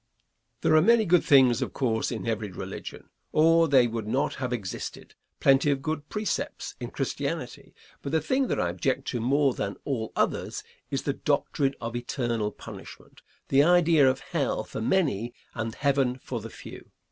Answer. There are many good things, of course, in every religion, or they would not have existed; plenty of good precepts in Christianity, but the thing that I object to more than all others is the doctrine of eternal punishment, the idea of hell for many and heaven for the few.